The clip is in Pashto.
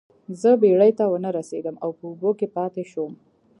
زه بیړۍ ته ونه رسیدم او په اوبو کې پاتې شوم.